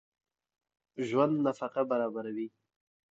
ژوندي نفقه برابروي